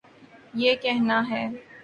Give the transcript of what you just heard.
یہ کہنا ہے۔